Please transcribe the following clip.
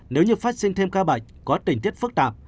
nếu như phát sinh thêm ca bệnh có tình tiết phức tạp